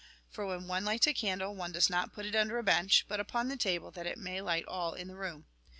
For when one lights a candle, one does not put it under a bench, but upon the table, that it may light all in the room.